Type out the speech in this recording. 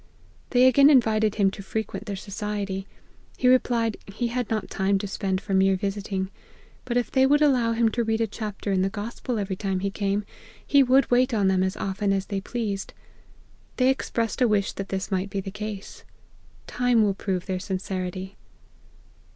They again invited him to frequent their society ; he replied, he had not time to spare for mere visiting ; bat if they would allow him to read a chapter in the gospel every time he came, he would wait on them as often as they pleased. They expressed a wish that this might be the case. Time will prove their sincerity."